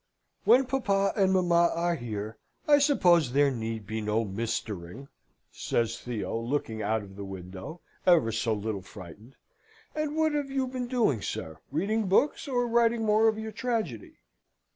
"When papa and mamma are here, I suppose there need be no mistering," says Theo, looking out of the window, ever so little frightened. "And what have you been doing, sir? Reading books, or writing more of your tragedy?